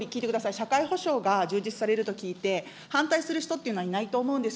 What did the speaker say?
社会保障が充実されると聞いて、反対する人っていうのはいないと思うんです。